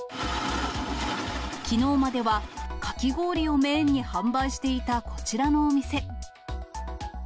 きのうまではかき氷をメインに販売していたこちらのお店。